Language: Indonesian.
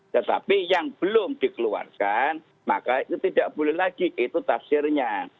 tetapi yang belum dikeluarkan maka itu tidak boleh lagi itu tafsirnya